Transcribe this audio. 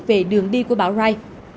về đường đi của bão rai